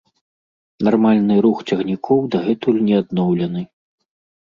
Нармальны рух цягнікоў дагэтуль не адноўлены.